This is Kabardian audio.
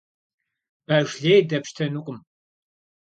Баш лей дэпщтэнукъым.